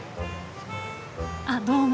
あっどうも。